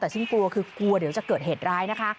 แต่ฉันกลัวคือกลัวเดี๋ยวจะเกิดเหตุร้ายนะคะ